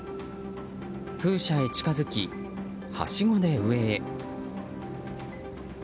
風車へ近づき、はしごで上へ。